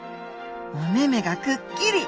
お目々がくっきり！